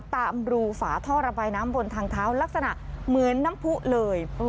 ตามรูฝาท่อระบายน้ำบนทางเท้าลักษณะเหมือนน้ำผู้เลย